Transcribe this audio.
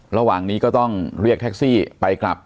ระหว่างนี้ก็ต้องเรียกแท็กซี่ไปกลับ